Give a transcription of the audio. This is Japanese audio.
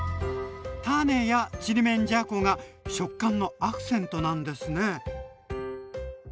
種やちりめんじゃこが食感のアクセントなんですね。